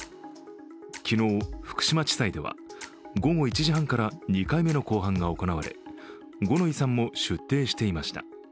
昨日、福島地裁では、午後１時半から２回目の公判が行われ五ノ井さんも出廷していました。